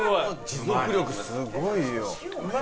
持続力すごいよ。